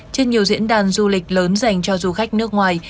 trên nhiều diễn đàn du lịch lớn dành cho du khách nước ngoài